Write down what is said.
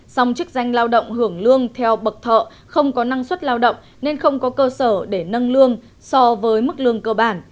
xong chức danh lao động hưởng lương theo bậc thợ không có năng suất lao động nên không có cơ sở để nâng lương so với mức lương cơ bản